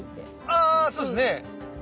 あそうですね。